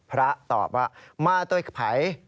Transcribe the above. พระตอบว่ามาเธอยพัย